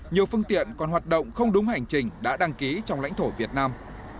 nhiều phương tiện còn hoạt động không đúng hành trình đã đăng ký trong lãnh thổ việt nam